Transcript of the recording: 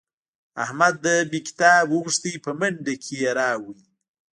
احمد نه مې کتاب وغوښت په منډه کې یې راوړ.